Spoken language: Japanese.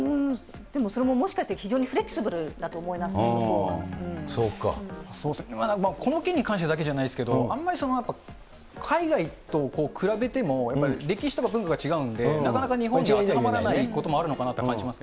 でもそれももしかして非常にこの件に関してだけじゃないですけど、あんまり海外と比べても、歴史とか文化が違うんで、なかなか日本に当てはまらないこともあるんじゃないかなと思いま